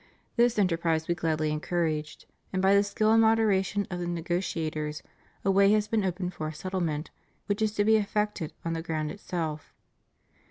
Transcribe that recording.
This enterprise We gladly encouraged, and by the skill and moderation of the negotiators a way has been opened for a settlement, which is to be effected on the ground itself.